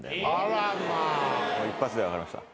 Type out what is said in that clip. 一発で分かりました。